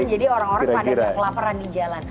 jadi orang orang pada kelaparan di jalan